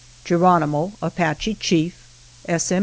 Geronimo, — Apache Chief — S. M.